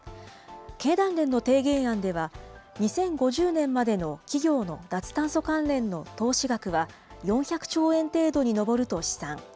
経団連の提言案では、２０５０年までの企業の脱炭素関連の投資額は、４００兆円程度に上ると試算。